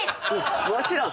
もちろん！